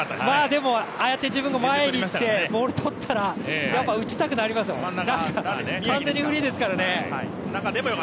でも、ああやって自分が前にいてボールとったら、やっぱ打ちたくなりますよ。